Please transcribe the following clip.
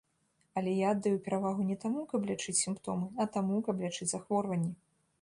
Але я аддаю перавагу не таму, каб лячыць сімптомы, а таму, каб лячыць захворванні.